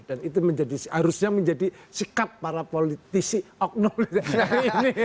dan itu harusnya menjadi sikap para politisi oknol dari hari ini